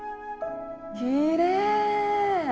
きれい！